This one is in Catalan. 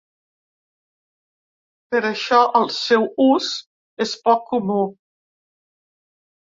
Per això, el seu ús és poc comú.